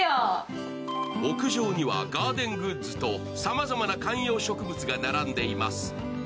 屋上にはガーデングッズとさまざまな観葉植物が並んでいます。